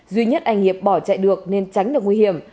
duy nhất anh hiệp bỏ chạy được nên tránh được nguy hiểm